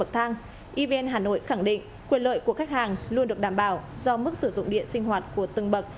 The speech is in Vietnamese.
trong tháng evn hà nội khẳng định quyền lợi của khách hàng luôn được đảm bảo do mức sử dụng điện sinh hoạt của từng bậc